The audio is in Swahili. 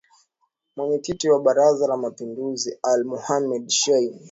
Mwenyekiti wa Baraza la Mapinduzi Ali Mohamed Shein